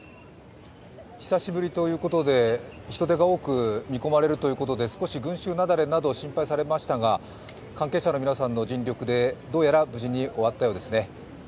久しぶりということで人出が多く見込まれるということで少し群衆雪崩など心配されましたが、関係者の皆さんの尽力でどうやら無事に終わったようですね。